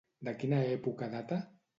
De quina època data?